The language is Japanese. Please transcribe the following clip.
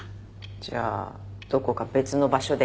じゃあどこか別の場所で。